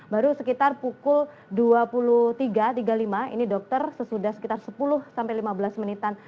baru sekitar pukul dua puluh tiga tiga puluh lima ini dokter sesudah sekitar sepuluh sampai lima belas menitan